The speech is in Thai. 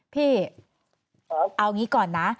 พี่เอางี้ก่อนนะ